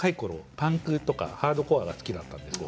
パンクとかハードコアが好きだったんですよ。